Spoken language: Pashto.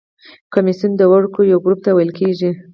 کمیسیون د وګړو یو ګروپ ته ویل کیږي.